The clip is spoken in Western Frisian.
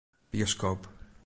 Bioskoop.